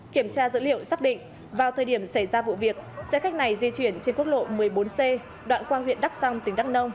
kiểm tra dữ liệu xác định vào thời điểm xảy ra vụ việc xe khách này di chuyển trên quốc lộ một mươi bốn c đoạn qua huyện đắk song tỉnh đắk nông